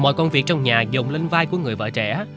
mọi công việc trong nhà dụng lên vai của người vợ trẻ